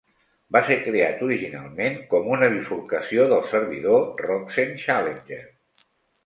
Va ser creat originalment com una bifurcació del servidor Roxen Challenger.